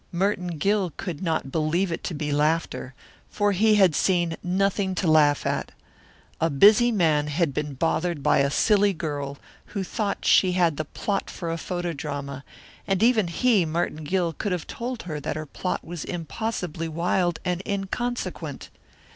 Merton Gill could not believe it to be laughter, for he had seen nothing to laugh at. A busy man had been bothered by a silly girl who thought she had the plot for a photodrama, and even he, Merton Gill, could have told her that her plot was impossibly wild and inconsequent.